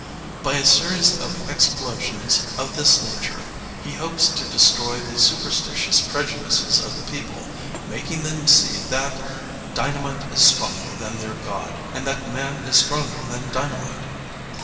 By a series of explo sions of this nature he hopes to destroy the supersti tious prejudices of the people, making them see that dynamite is stronger than their God, and that man is stronger than dynamite.